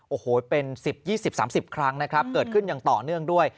โอ้โหเป็น๑๐๒๐๓๐ครั้งนะครับเกิดขึ้นอย่างต่อเนื่องด้วย